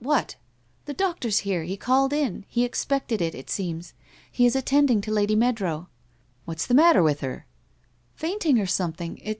What?' ' The doctor's here. He called in. He expected it, it seems. He is attending to Lady Moadrow.' 'What's the matter with her?' 'Fainting or something!